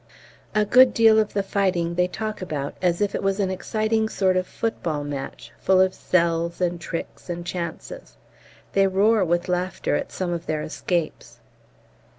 A good deal of the fighting they talk about as if it was an exciting sort of football match, full of sells and tricks and chances. They roar with laughter at some of their escapes.